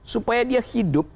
supaya dia hidup